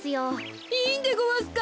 いいんでごわすか？